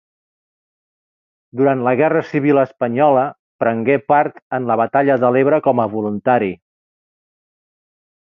Durant la guerra civil espanyola prengué part en la batalla de l'Ebre com a voluntari.